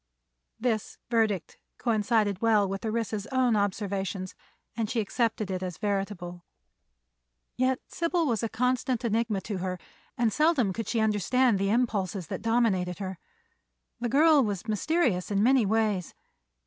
This verdict coincided well with Orissa's own observations and she accepted it as veritable. Yet Sybil was a constant enigma to her and seldom could she understand the impulses that dominated her. The girl was mysterious in many ways.